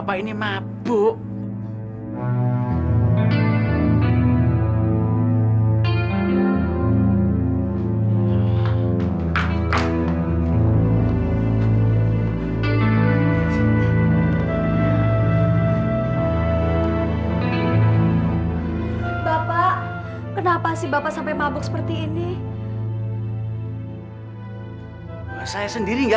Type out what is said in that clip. aku tidak pernah memilikinya